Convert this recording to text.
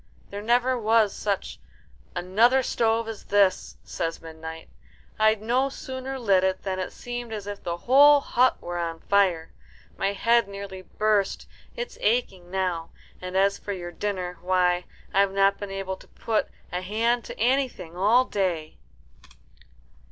"There never was such another stove as this," says Midnight. "I'd no sooner lit it than it seemed as if the whole hut were on fire. My head nearly burst. It's aching now; and as for your dinner, why, I've not been able to put a hand to anything all day."